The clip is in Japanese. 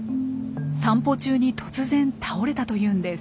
散歩中に突然倒れたというんです。